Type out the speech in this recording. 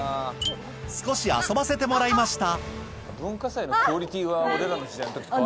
少し遊ばせてもらいました